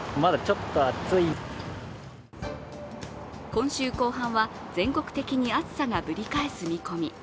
今週後半は全国的に暑さがぶり返す見込み。